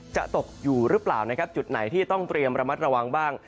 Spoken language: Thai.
จะตกอยู่หรือเปล่านะครับจุดไหนที่ต้องเตรียมระมัดระวังบ้าง